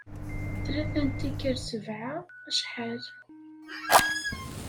Tlata n tikkal sebɛa, acḥal?